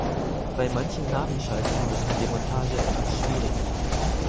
Bei manchen Nabenschaltungen ist die Demontage etwas schwieriger.